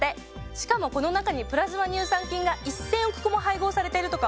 しかもこの中にプラズマ乳酸菌が１，０００億個も配合されてるとか。